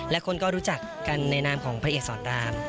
และคนก็รู้จักกันในนามของพระเอกสอนราม